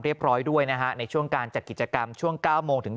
ร้อยด้วยนะฮะในช่วงการจัดกิจกรรมช่วง๙โมงถึง